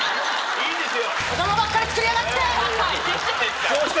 いいですよ。